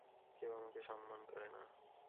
কেউ আমাকে সম্মান করে না।